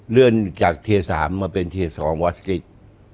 เลื่อนจากที๓มาเป็นที๒วอสติธร์